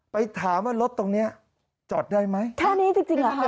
ไปถามว่ารถตรงเนี้ยจอดได้ไหมแค่นี้จริงจริงเหรอคะ